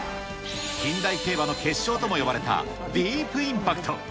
近代競馬の結晶とも呼ばれたディープインパクト。